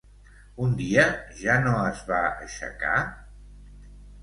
Un dia ja no es va aixecar?